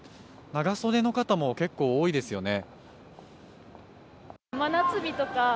長袖の方も結構多いですよね。